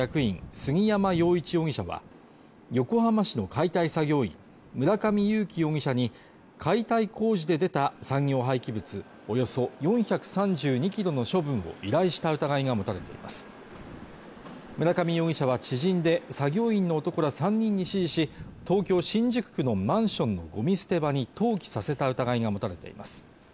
杉山洋一容疑者は横浜市の解体作業員村上勇樹容疑者に解体工事で出た産業廃棄物およそ４３２ｋｇの処分を依頼した疑いが持たれています村上容疑者は知人で作業員の男ら３人に指示し東京新宿区のマンションのごみ捨て場に投棄させた疑いが持たれています